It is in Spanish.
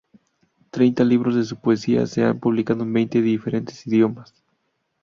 Treinta libros de su poesía se han publicado en veinte diferentes idiomas.